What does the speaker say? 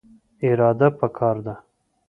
اراده پکار ده